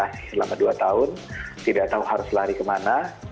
selama dua tahun tidak tahu harus lari kemana